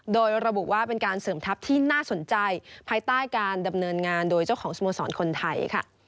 โดยระบุว่าเป็นการเสริมทัพที่น่าสนใจภายใต้การดำเนินงานโดยเจ้าของสโมสรคนไทยค่ะ